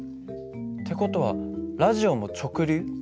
って事はラジオも直流？